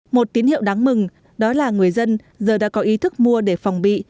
một tín hiệu đáng mừng đó là người dân giờ đã có ý thức mua để phòng bị